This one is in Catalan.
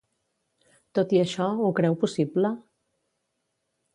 Tot i això, ho creu possible?